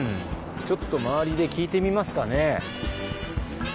ちょっと周りで聞いてみますかね。